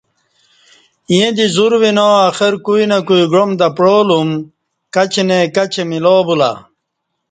ییں دی زور وینا اخر کو نئ کو گعام تہ پعالُوم، کاچی نئ کاچی ملا بولہ